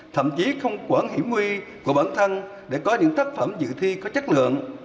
thậm chí không quản hiểm nguy của bản thân để có những tác phẩm dự thi có chất lượng